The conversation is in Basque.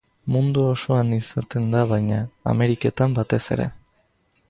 Mundu osoan izaten da baina, Ameriketan batez ere.